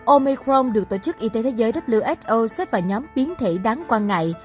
omicron được tổ chức y tế thế giới who xếp vào nhóm biến thể đáng quan ngại